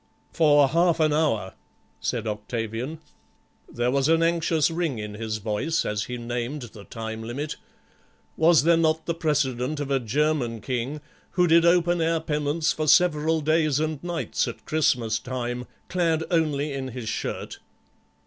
"For half an hour," said Octavian. There was an anxious ring in his voice as he named the time limit; was there not the precedent of a German king who did open air penance for several days and nights at Christmas time clad only in his shirt?